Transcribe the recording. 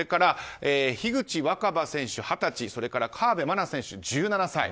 樋口新葉選手、二十歳それから河辺愛菜選手、１７歳。